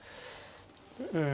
うん。